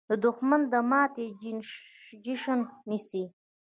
دښمن د ماتې جشن نیسي